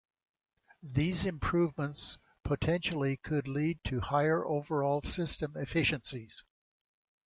These improvements potentially could lead to higher overall system efficiencies.